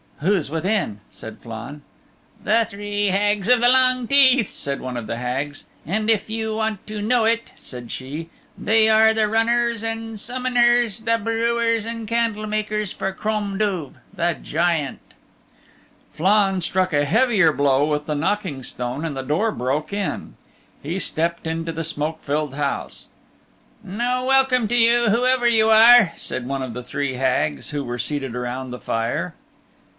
"Who's within?" said Flann. "The Three Hags of the Long Teeth," said one of the Hags, "and if you want to know it," said she, "they are the runners and summoners, the brewers and candle makers for Crom Duv, the Giant." Flann struck a heavier blow with the knocking stone and the door broke in. He stepped into the smoke filled house. "No welcome to you, whoever you are," said one of the three Hags who were seated around the fire.